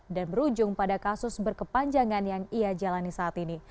dan berujung pada kasus berkepanjangan yang ia jalani saat ini